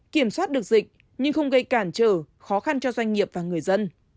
kiểm soát được dịch nhưng không gây cản trở khó khăn cho doanh nghiệp và người dân